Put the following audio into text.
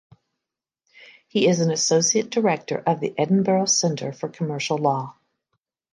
He is an associate director of the Edinburgh Centre for Commercial Law.